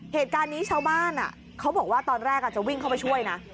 เหตุการณ์นี้ชาวบ้านเขาบอกว่าตอนแรกจะวิ่งเข้าไปช่วยนะ